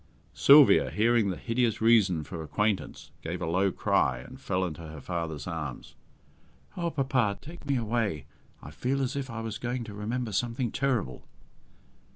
Sylvia, hearing this hideous reason for acquaintance, gave a low cry, and fell into her father's arms. "Oh, papa, take me away! I feel as if I was going to remember something terrible!"